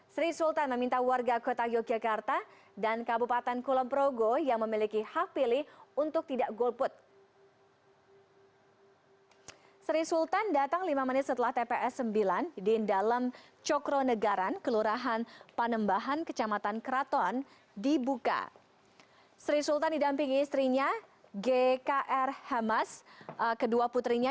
sri sultan meminta warga kota yogyakarta dan kabupaten kulonprogo yang memiliki hak pilih untuk tidak golput